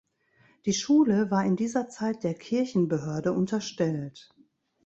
Die Schule war in dieser Zeit der Kirchenbehörde unterstellt.